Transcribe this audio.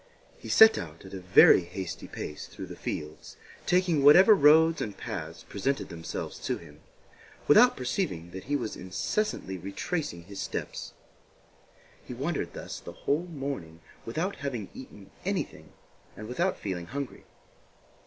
He set out at a very hasty pace through the fields, taking whatever roads and paths presented themselves to him, without perceiving that he was incessantly retracing his steps. He wandered thus the whole morning, without having eaten anything and without feeling hungry.